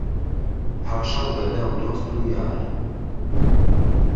پادشا و گهدا و دۆست و یار